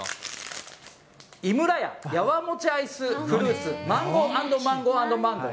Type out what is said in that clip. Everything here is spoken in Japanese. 井村屋やわもちアイスフルーツマンゴー＆マンゴー＆マンゴー。